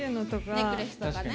ネックレスとかね。